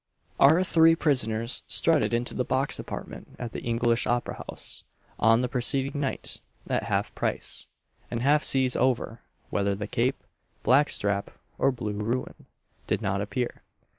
Our three prisoners strutted into the box department at the English Opera house, on the preceding night, at half price, and half seas over whether with cape, black strap, or blue ruin, did not appear.